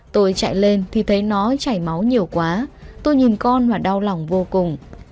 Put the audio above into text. tôi chạy lên thì thấy nó chảy máu nhiều quá tôi nhìn con và đau lòng vô cùng